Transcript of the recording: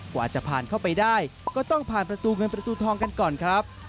กว่าจะผ่านเข้าไปได้ก็ต้องผ่านประตูเงินประตูทองกันก่อนครับ